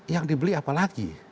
yang dibeli apa lagi